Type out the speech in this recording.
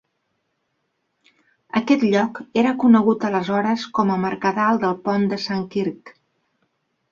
Aquest lloc era conegut aleshores com a Mercadal del Pont de Sant Quirc.